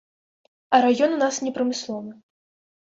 А раён у нас не прамысловы.